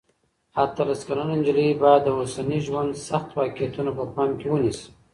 اتلس کلنه نجلۍ باید د اوسني ژوند سخت واقعیتونه په پام کې ونیسي.